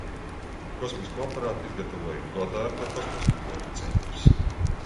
Kosmisko aparātu izgatavoja Godarda Kosmosa lidojumu centrs.